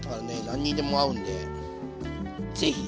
何にでも合うんで是非。